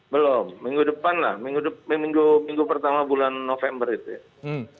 belum minggu depan lah minggu pertama bulan november itu ya